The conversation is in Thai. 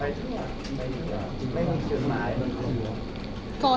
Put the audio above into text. ไปทั่วไม่มีไม่มีสินหมายมันคือ